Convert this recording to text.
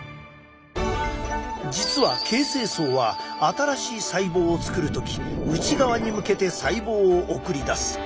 実は形成層は新しい細胞を作る時内側に向けて細胞を送り出す。